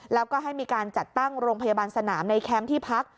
แล้วก็ให้มีการจัดตั้งโรงพยาบาลสนามในแคมป์ที่พัก